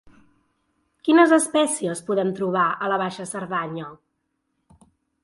Quines espècies podem trobar a la Baixa Cerdanya?